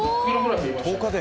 １０日で。